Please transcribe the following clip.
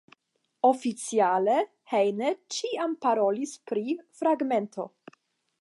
Oficiale Heine ĉiam parolis pri "fragmento".